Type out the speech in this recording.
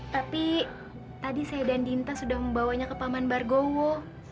tapi tadi saya dan dinta sudah membawanya ke paman bargowo